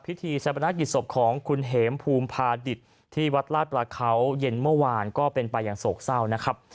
พิธีชะพนักกิจศพของคุณเหมภูมิพาดิตที่วัดลาดปลาเขาเย็นเมื่อวานก็เป็นไปอย่างโศกเศร้านะครับ